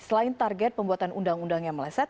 selain target pembuatan undang undang yang meleset